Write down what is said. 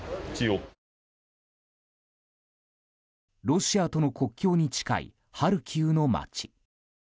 ロシアとの国境に近いハルキウの街。